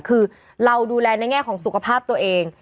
คือเราดูแลในแง่ของสุขภาพตัวเอง